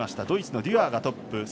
ドイツのデュアーがトップ。